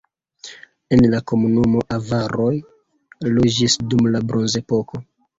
En la komunumo avaroj loĝis dum la bronzepoko.